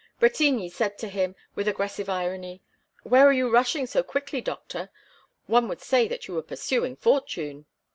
Bretigny said to him, with aggressive irony: "Where are you rushing so quickly, doctor? One would say that you were pursuing fortune."